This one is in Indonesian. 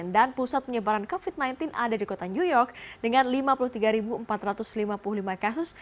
dan pusat penyebaran covid sembilan belas ada di kota new york dengan lima puluh tiga empat ratus lima puluh lima kasus